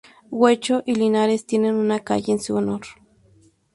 Guecho, y Linares tienen una calle en su honor.